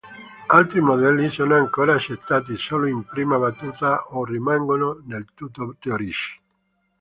Altri modelli sono ancora accettati solo in prima battuta o rimangono del tutto teorici.